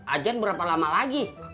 ajen berapa lama lagi